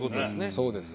そうですね。